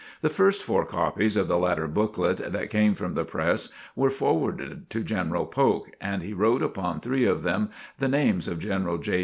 The first four copies of the latter booklet that came from the press were forwarded to General Polk and he wrote upon three of them the names of General J.